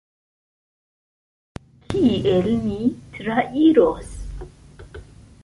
Kiel ni trairos?